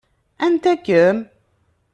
Anta-kem?